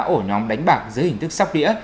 ổ nhóm đánh bạc dưới hình thức sóc đĩa